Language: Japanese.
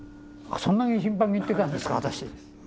そんなに頻繁に行ってたんですか私。